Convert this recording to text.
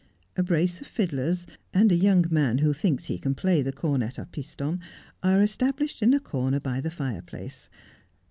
A brace of fiddlers, and a young man who thinks he can play the cornet a piston, are established in a corner by the fireplace.